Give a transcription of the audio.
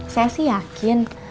saya sih yakin